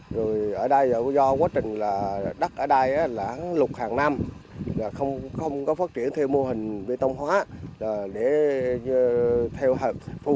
rồi ở đây do quá trình đất ở đây lục hàng năm không có phát triển theo mô hình bê tông hóa để phù hợp với thiên nhiên ở đây